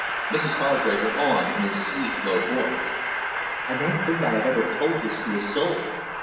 Mrs Hargrave went on in her sweet, low voice. "I don't think I have ever told this to a soul.